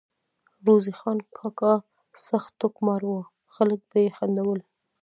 روزې خان کاکا سخت ټوکمار وو ، خلک به ئی خندول